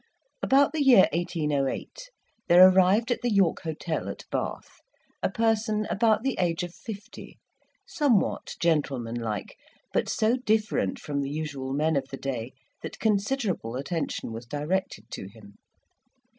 About the year 1808 there arrived at the York Hotel, at Bath, a person about the age of fifty, somewhat gentlemanlike, but so different from the usual men of the day that considerable attention was directed to him.